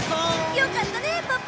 よかったねパパ。